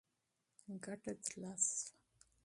عاید ترلاسه شو.